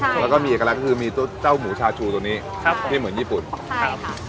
แล้วก็มีเอกลักษณ์คือมีตัวเจ้าหมูชาชูตัวนี้ครับที่เหมือนญี่ปุ่นครับ